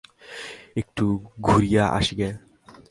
একটু ঘুরিয়া আসি গে।